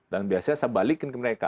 dan biasanya saya balikin ke mereka